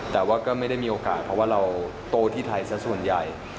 แต่ว่าก็ไม่ได้มีโอกาสเพราะว่าเราโตที่ไทยสักส่วนใหญ่